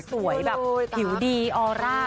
สวยแบบผิวดีออร่า